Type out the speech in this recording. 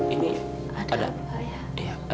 ini ada apa